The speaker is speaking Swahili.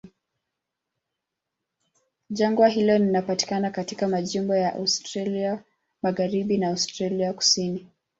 Jangwa hilo linapatikana katika majimbo ya Australia Magharibi na Australia Kusini.